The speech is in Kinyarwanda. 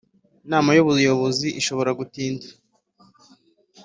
inama y ubuyobozi ishobora gutinda